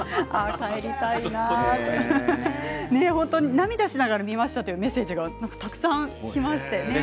涙しながら見ましたというメッセージがたくさんきました。